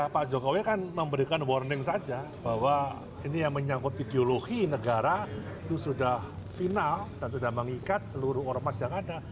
pak jokowi kan memberikan warning saja bahwa ini yang menyangkut ideologi negara itu sudah final dan sudah mengikat seluruh ormas yang ada